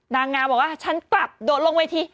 นางงามบอกว่าฉันกลับโดดลงเวที